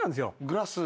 グラス？